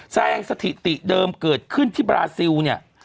แสดงสถิติเดิมเกิดขึ้นที่บราซิลเนี่ย